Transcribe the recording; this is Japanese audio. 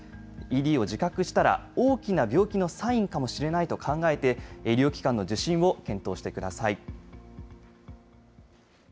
ＥＤを自覚したら、大きな病気のサインかもしれないと考えて、医療機関の受診を検討してください。